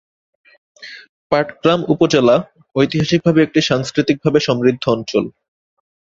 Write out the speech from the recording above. পাটগ্রাম উপজেলা ঐতিহাসিক ভাবে একটি সাংস্কৃতিক ভাবে সমৃদ্ধ অঞ্চল।